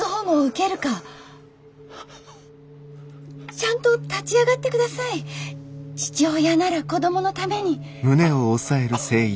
ちゃんと立ち上がってください父親なら子供のために。